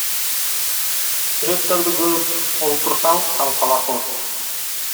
Сүрөттөрдү көрүп олтурсаң таң каласың.